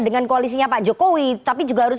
dengan koalisinya pak jokowi tapi juga harus